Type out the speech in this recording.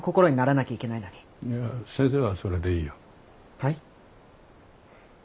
はい？